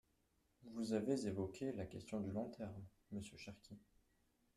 Vous avez évoqué la question du long terme, monsieur Cherki.